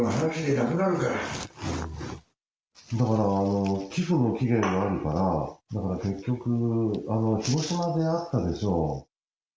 だから、寄付の期限があるから、だから結局、広島であったでしょう。